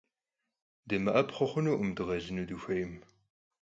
ДымыӀэпхъуэу хъунукъым, дыкъелыну дыхуеймэ.